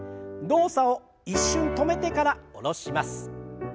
動作を一瞬止めてから下ろします。